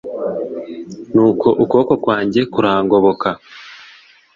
nuko ukuboko kwanjye kurangoboka,